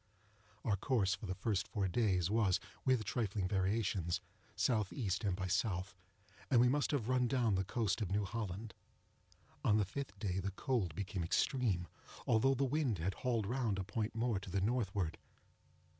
Our course for the first four days was, with trifling variations, S.E. and by S.; and we must have run down the coast of New Holland. On the fifth day the cold became extreme, although the wind had hauled round a point more to the northward.